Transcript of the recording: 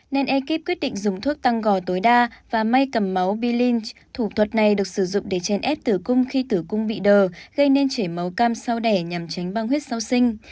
nên ekip quyết định dùng thuốc tăng gò tối đa và may cầm máu biline thủ thuật này được sử dụng để chèn ép tử cung khi tử cung bị đờ gây nên chảy máu cam sau đẻ nhằm tránh băng huyết sau sinh